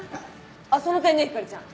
あっその点ねひかりちゃん